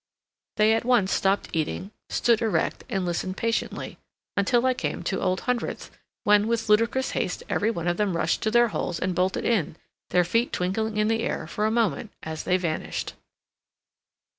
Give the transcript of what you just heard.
They at once stopped eating, stood erect, and listened patiently until I came to "Old Hundredth," when with ludicrous haste every one of them rushed to their holes and bolted in, their feet twinkling in the air for a moment as they vanished.